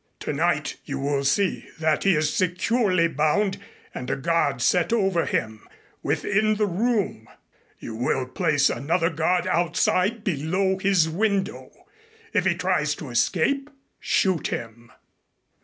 Tonight you will see that he is securely bound and a guard set over him, within the room. You will place another guard outside below his window. If he tries to escape, shoot him."